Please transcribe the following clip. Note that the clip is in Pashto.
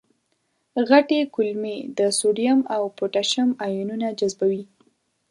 غټې کولمې د سودیم او پتاشیم آیونونه جذبوي.